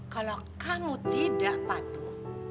kalau kamu tidak patuh